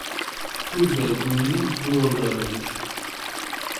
Kız da ekmeğini bu yolda aramış.